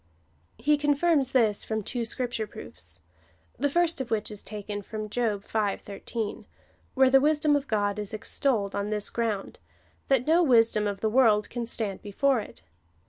He confirms this from tiuo Scripture proofs, tlie Jirst of wliicli is taken from Job V. 13, wliere tlie wisdom of God is extolled on tliis ground, that no wisdom of the Avorld can stand before it.